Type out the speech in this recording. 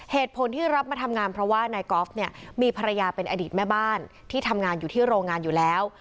เหตุผลที่รับมาทำงานเพราะว่านายกอล์ฟเนี่ยมีภรรยาเป็นอดีตแม่บ้านที่ทำงานอยู่ที่โรงงานอยู่แล้ว